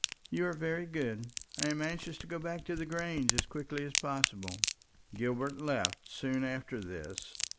"You are very good. I am anxious to go back to the Grange as quickly as possible." Gilbert left soon after this.